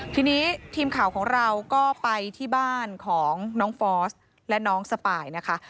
ทีนี้ทีมข่าวของเราก็ไปที่บ้านของน้องฟอสและน้องสปายนะคะ